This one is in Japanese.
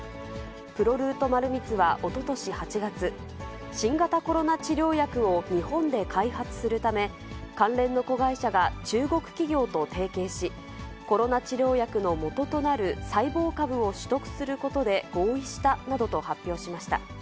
プロルート丸光はおととし８月、新型コロナ治療薬を日本で開発するため、関連の子会社が中国企業と提携し、コロナ治療薬のもととなる細胞株を取得することで合意したなどと発表しました。